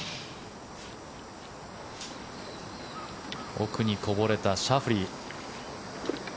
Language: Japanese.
奥にこぼれたシャフリー。